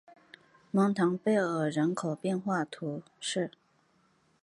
蒙唐贝尔人口变化图示